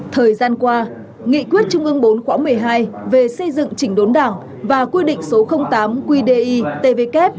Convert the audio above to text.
thời gian qua nghị quyết trung ương bốn khóa một mươi hai về xây dựng chỉnh đốn đảng và quy định số tám qdi tvk